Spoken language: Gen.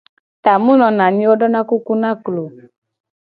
Ta mu nona anyi ye wo dona kuku na klo o.